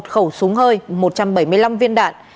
một khẩu súng hơi một trăm bảy mươi năm viên đạn